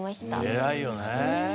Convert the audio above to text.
偉いよねえ。